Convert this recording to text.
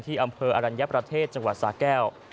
อำเภออรัญญประเทศจังหวัดสาแก้ว